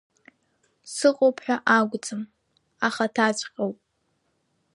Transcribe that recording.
Сыҟоуп ҳәа акәӡам, ахаҭаҵәҟьоуп.